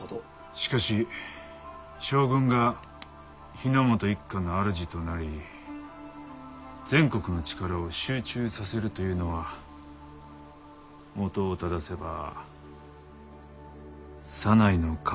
しかし将軍が日の本一家の主となり全国の力を集中させるというのは本を正せば左内の考えだ。